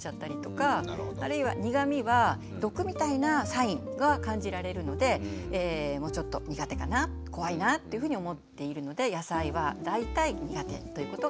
あるいは苦みは毒みたいなサインが感じられるのでちょっと苦手かな怖いなっていうふうに思っているので野菜は大体苦手ということがあったりしますね。